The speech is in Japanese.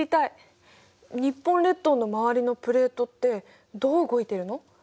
日本列島の周りのプレートってどう動いてるの？